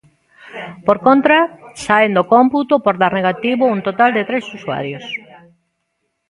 Por contra, saen do cómputo por dar negativo un total de tres usuarios.